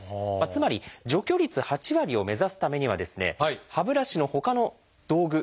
つまり除去率８割を目指すためにはですね歯ブラシのほかの道具